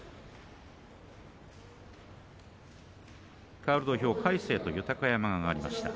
かわる土俵は魁聖と豊山が上がりました。